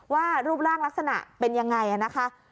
ว่ารูปร่างลักษณะเป็นอย่างไร